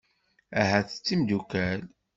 Ahat d timeddukal.